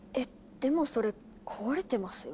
でもそれ壊れてますよ。